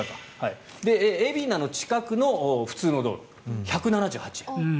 海老名の近くの普通の道路１７８円。